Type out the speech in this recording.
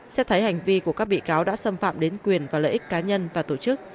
xét thấy hành vi của các bị cáo đã xâm phạm đến quyền và lợi ích cá nhân và tổ chức